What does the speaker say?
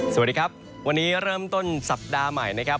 สวัสดีครับวันนี้เริ่มต้นสัปดาห์ใหม่นะครับ